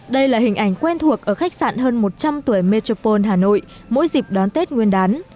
đây là hình ảnh quen thuộc ở khách sạn hơn một trăm linh tuổi metropole hà nội mỗi dịp đón tết nguyên đán